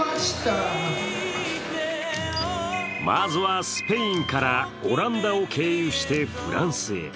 まずはスペインからオランダを経由してフランスへ。